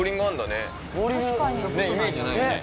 ねっイメージないよね